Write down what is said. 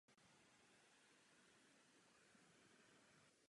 Na podlahu byla použita černá a šedá žula.